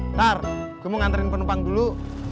ntar gue mau nganterin penumpang dulu